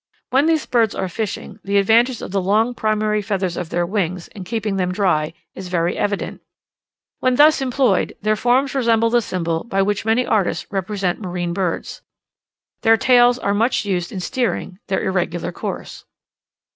When these birds are fishing, the advantage of the long primary feathers of their wings, in keeping them dry, is very evident. When thus employed, their forms resemble the symbol by which many artists represent marine birds. Their tails are much used in steering their irregular course.